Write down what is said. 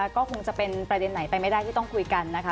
ก็คงจะเป็นประเด็นไหนไปไม่ได้ที่ต้องคุยกันนะคะ